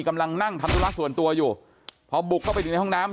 กำลังนั่งทำธุระส่วนตัวอยู่พอบุกเข้าไปถึงในห้องน้ำ